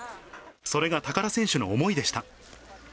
それが高田選手の思いでした。